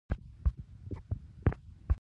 د تقوی لاره د سعادت نښه ده.